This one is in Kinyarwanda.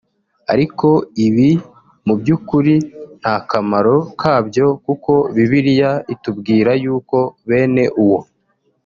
Ariko ibi mu byukuri nta kamaro kabyo kuko Bibiliya itubwira yuko bene uwo